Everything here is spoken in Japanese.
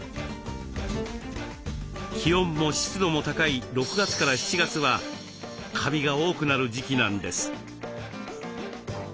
気温も湿度も高い６月から７月はカビが多くなる時期なんです。